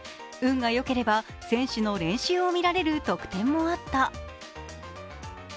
運が良ければ選手の練習を見られる特典もあった。